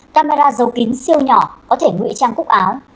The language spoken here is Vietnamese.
camera giấu kín siêu nhỏ có thể ngụy trang cúc áo